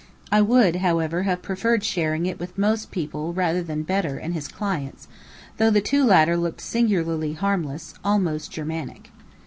I would, however, have preferred sharing it with most people rather than Bedr and his clients, though the two latter looked singularly harmless, almost Germanic.